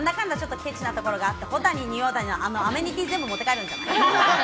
ケチなところがあってアメニティを全部持って帰るんじゃない？